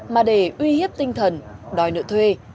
mà để uy hiếp tinh thần đòi nợ thuê